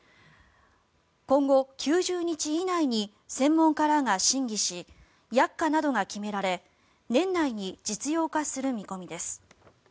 今後９０日以内に専門家らが審議し薬価などが決められ年内に実用化する見込みです。